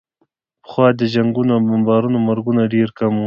پخوا د جنګونو او بمبارونو مرګونه ډېر کم وو.